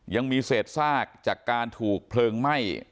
ยังมีเศษซากจากการถูกเพลิงไหม้